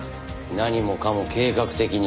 何もかも計画的に。